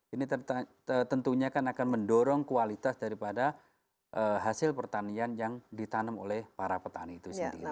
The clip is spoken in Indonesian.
ini tentunya akan mendorong kualitas daripada hasil pertanian yang ditanam oleh para petani itu sendiri